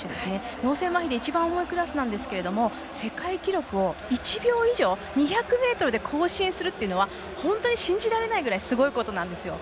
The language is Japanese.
脳性まひで一番重いクラスなんですが世界記録を１秒以上２００ｍで更新するというのは本当に信じられないぐらいすごいことなんですよ。